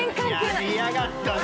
やりやがったな！